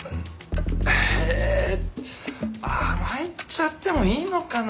ええ甘えちゃってもいいのかな？